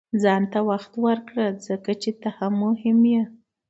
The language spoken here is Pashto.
• ځان ته وخت ورکړه، ځکه چې ته هم مهم یې.